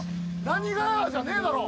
「何が？」じゃねえだろ！